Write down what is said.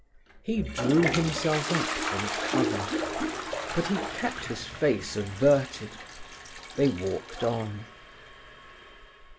He drew himself up from cover. But he kept his face averted. They walked on.